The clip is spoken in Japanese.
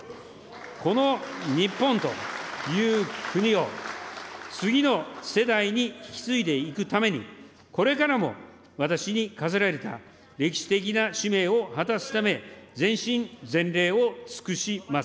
この日本という国を、次の世代に引き継いでいくために、これからも私に課せられた歴史的な使命を果たすため、全身全霊を尽くします。